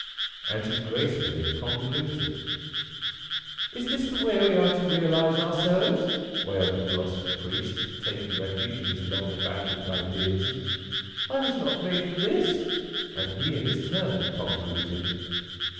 And he gracefully con voluted. " Is this the way we are to realize ourselves?" wailed the philosopher priest, taking refuge in his long abandoned Idealism. " I was not made for this." And he in his turn convoluted.